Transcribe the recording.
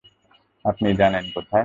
আপনি জানেন কোথায়?